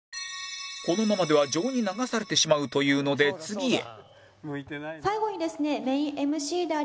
このままでは情に流されてしまうというので次へ